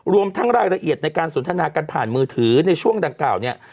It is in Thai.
รวมทั้งรายละเอียดในการสนทนากันผ่านมือถือในช่วงดังกล่าวเนี่ย